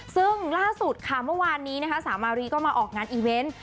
ซึ่งล่าสุดค่ะเมื่อวานนี้นะคะสาวมารีก็มาออกงานอีเวนต์